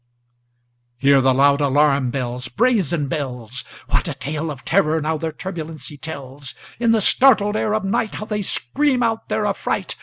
Hear the loud alarum bells, Brazen bells! What a tale of terror, now, their turbulency tells! In the startled ear of nightHow they scream out their affright!